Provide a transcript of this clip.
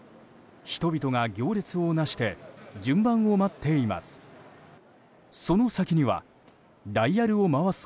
人々が、行列をなして順番を待っています。